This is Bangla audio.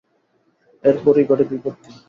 এর পরেই ঘটে বিপত্তি।